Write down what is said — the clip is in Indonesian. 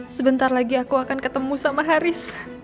sebentar lagi aku akan ketemu sama haris